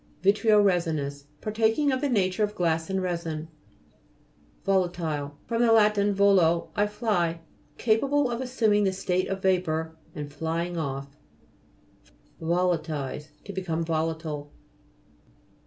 VI'TREO HES'INOUS Partaking of the nature of glass and resin. VO'LATILE fr. lat. volo, I fly. Capa ble of assuming the state of vapour, and flying off. VOLA'TILIZE To become volatile.